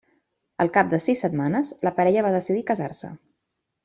Al cap de sis setmanes, la parella va decidir casar-se.